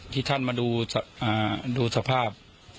ที่ท่านมาดูสภาพ